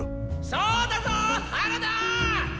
そうだぞ原田！